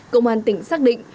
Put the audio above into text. công an tỉnh xác định